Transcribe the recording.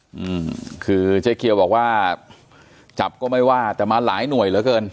อืมคือเจ๊เกียวบอกว่าจับก็ไม่ว่าแต่มาหลายหน่วยเหลือเกิน